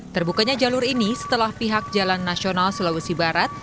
terbukanya jalur ini setelah pihak jalan nasional sulawesi barat